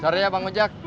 sorry ya bang ojak